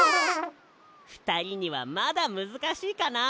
ふたりにはまだむずかしいかな。